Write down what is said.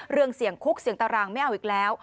เรื่องเสี่ยงคุกเสี่ยงตารางไม่เอาอีกแล้ว